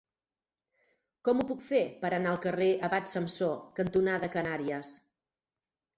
Com ho puc fer per anar al carrer Abat Samsó cantonada Canàries?